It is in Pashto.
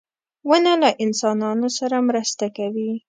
• ونه له انسانانو سره مرسته کوي.